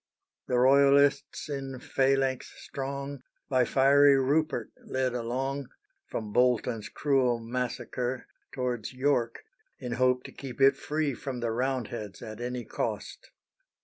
The Royalists in phalanx strong, By fiery Rupert led along, From Bolton's cruel massacre Towards York, in hope to keep it free From the Roundheads at any cost.